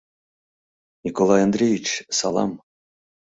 Николай Андреич, салам!..